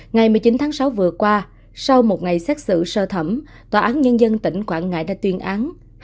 ngày một mươi chín tháng sáu vừa qua sau một ngày xét xử sơ thẩm tòa án nhân dân tỉnh quảng ngãi đã tuyên án